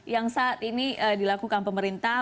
yang saat ini dilakukan pemerintah